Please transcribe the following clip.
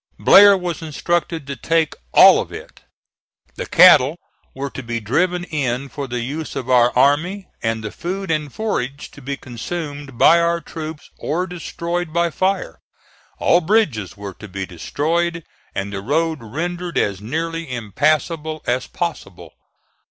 Blair was instructed to take all of it. The cattle were to be driven in for the use of our army, and the food and forage to be consumed by our troops or destroyed by fire; all bridges were to be destroyed, and the roads rendered as nearly impassable as possible.